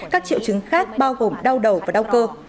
các triệu chứng khác bao gồm đau đầu và đau cơ